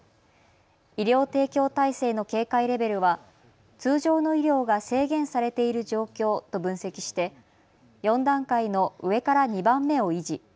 医療提供体制の警戒レベルは通常の医療が制限されている状況と分析して４段階の上から２番目を維持。